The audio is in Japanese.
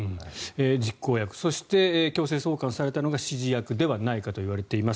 実行役そして強制送還されたのが指示役ではないかといわれています。